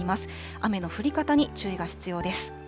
雨の降り方に注意が必要です。